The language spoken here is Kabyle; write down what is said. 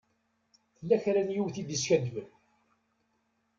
Tella kra n yiwet i d-yeskadben.